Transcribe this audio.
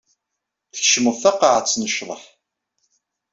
Tkecmeḍ taqaɛet n ccḍeḥ.